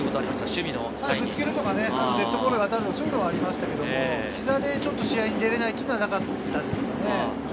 ぶつけるとか、デッドボールが当たるというのはありましたけど、膝でちょっと試合に出れないというのはなかったんですね。